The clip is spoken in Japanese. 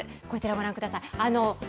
こちら、ご覧ください。